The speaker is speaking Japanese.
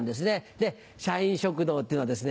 で社員食堂っていうのはですね